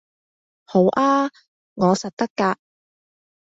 好吖，我實得㗎